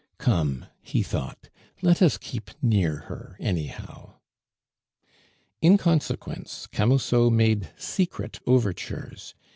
"Come," he thought, "let us keep near her anyhow!" In consequence, Camusot made secret overtures.